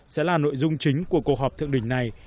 sẽ là nội dung chính của cuộc họp thượng đỉnh này